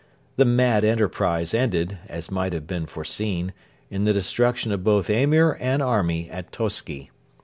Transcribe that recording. The mad enterprise ended, as might have been foreseen, in the destruction of both Emir and army at Toski.